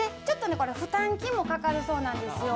負担金もかかるそうなんですよ。